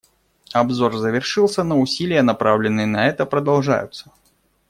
Обзор завершился, но усилия, направленные на это, продолжаются.